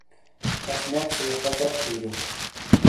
اش نیٹ سے یفاچٹ تھیریو۔